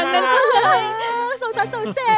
จริงมั้ย